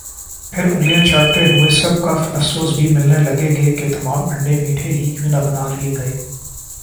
پھر انگلیاں چاٹتے ہوئے سب کف افسوس بھی ملنے لگے کہ تمام انڈے میٹھے ہی کیوں نہ بنا لئے گئے